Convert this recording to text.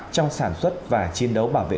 trong sản xuất và chiến đấu bảo vệ